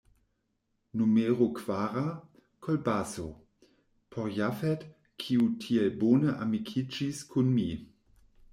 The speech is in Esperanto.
Numero kvara: Kolbaso; por Jafet, kiu tiel bone amikiĝis kun mi.